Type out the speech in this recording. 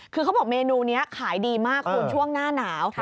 คือเขาบอกเมนูนี้ขายดีมากคุณช่วงหน้าหนาว